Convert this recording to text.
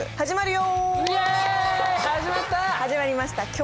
始まりました。